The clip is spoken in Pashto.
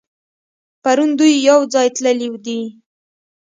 پرون دوی يوځای تللي دي.